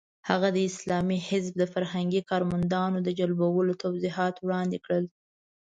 هغه د اسلامي حزب د فرهنګي کارمندانو د جلبولو توضیحات وړاندې کړل.